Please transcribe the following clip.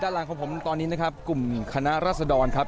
หลังของผมตอนนี้นะครับกลุ่มคณะรัศดรครับ